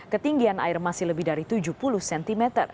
ketinggian air masih lebih dari tujuh puluh cm